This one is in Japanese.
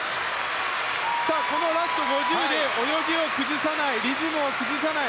このラスト５０で泳ぎを崩さないリズムを崩さない。